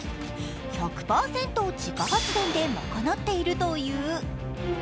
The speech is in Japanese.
１００％自家発電で賄っているという。